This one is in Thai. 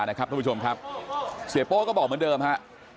ครับท่านผู้ชมครับเสียโป๊ะก็บอกเหมือนเดิมฮะ